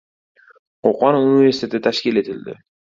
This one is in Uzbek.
Qo‘qon universiteti tashkil etildi